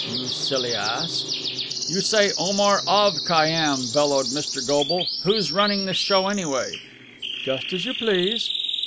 "You silly ass!" "You say Omar of Khayyám," bellowed Mr. Goble. "Who's running this show, anyway?" "Just as you please."